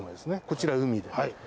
こちら、海で。